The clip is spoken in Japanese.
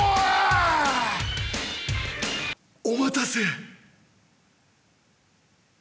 お待たせ。